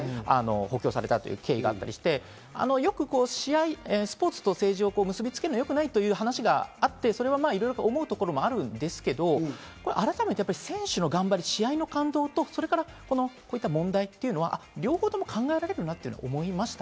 補強されたという経緯がありまして、スポーツと政治を結びつけるのは良くないという話があって、いろいろ思うところもあるんですけど、改めて選手の頑張り、試合の感動とこういった問題っていうのは両方とも考えられるなと思いました。